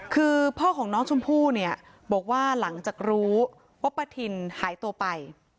คือพ่อของน้องชมพู่เนี่ยบอกว่าหลังจากรู้ว่าป้าทินหายตัวไป